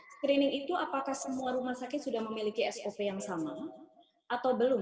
screening itu apakah semua rumah sakit sudah memiliki sop yang sama atau belum